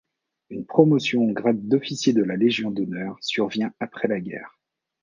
Une promotion au grade d'officier de la Légion d'honneur survient après la guerre.